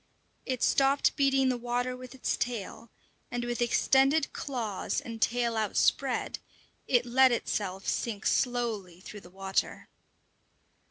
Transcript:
It stopped beating the water with its tail, and with extended claws and tail outspread, it let itself sink slowly through the water.